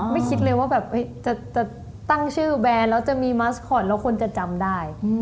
คิดเลยว่าแบบจะตั้งชื่อแบรนด์แล้วจะมีมัสคอตแล้วคนจะจำได้